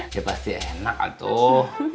ya pasti enak atuh